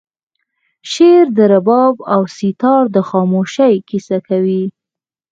شعر د رباب او سیتار د خاموشۍ کیسه کوي